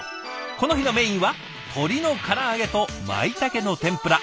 この日のメインは鶏のから揚げとマイタケの天ぷら。